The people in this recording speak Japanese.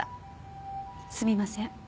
すみません。